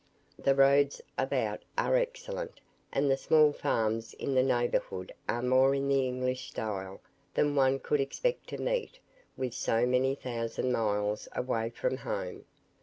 The roads about are excellent, and the small farms in the neighbourhood are more in the English style than one could expect to meet with so many thousand miles away from home.